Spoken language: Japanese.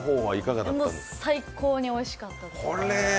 最高においしかったです。